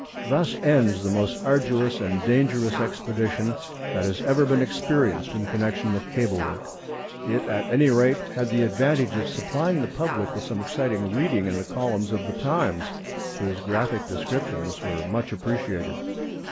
Thus ends the most arduous and dangerous expedition that had ever been experienced in connection with cable work. It, at any rate, had the advantage of supplying the public with some exciting reading in the columns of The Times, whose graphic descriptions were much appreciated.